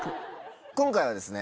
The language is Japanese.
今回はですね